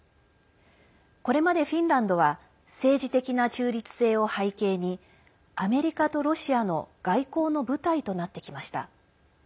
これまでフィンランドは政治的な中立性を背景にアメリカとロシアの外交の舞台となってきました。